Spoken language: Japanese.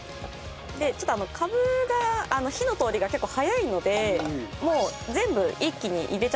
でちょっとカブが火の通りが結構早いのでもう全部一気に入れちゃってもらって大丈夫です。